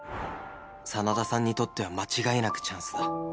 真田さんにとっては間違いなくチャンスだ